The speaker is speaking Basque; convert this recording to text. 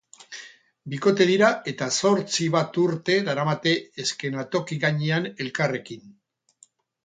Bikote dira eta zortzi bat urte daramate eskenatoki gainean elkarrekin.